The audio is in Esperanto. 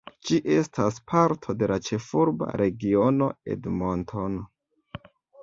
Ĝi estas parto de la Ĉefurba Regiono Edmontono.